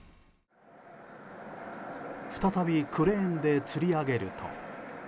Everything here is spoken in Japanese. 再びクレーンでつり上げると。